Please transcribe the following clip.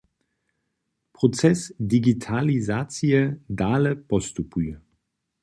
Proces digitalizacije dale postupuje.